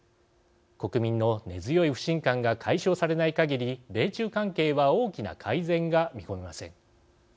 国民の根強い不信感が解消されないかぎり米中関係は大きな改善が見込めません。